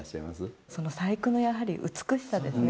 その細工のやはり美しさですね。